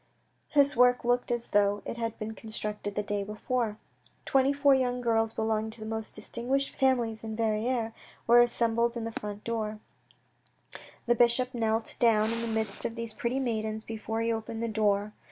This work looked as though it had been constructed the day before. Twenty four young girls belonging to the most distinguished families in Verrieres were assembled in front of the door. The 8 ii4 THE RED AND THE BLACK bishop knelt down in the midst of these pretty maidens before he opened the door.